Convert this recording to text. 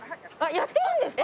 やってるんですって。